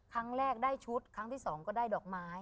ครั้งแรกได้ชุดครั้งที่สองก็ได้ดอกไม้